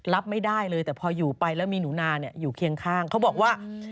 รับไม่ได้เลยแต่พออยู่ไปแล้วมีหนูนาอยู่เคียงข้างเขาบอกว่า